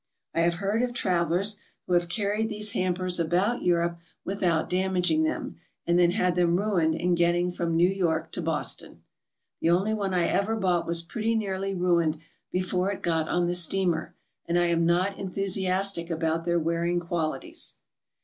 I have heard of travelers who have carried these hampers about Europe without damaging them, and then had them ruined in getting from New York to Boston. The only one I ever bought was pretty nearly ruined before it got on the steamer, and I am not enthusiastic about their wearing qualities.